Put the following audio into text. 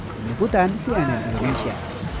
penyemputan cnn indonesia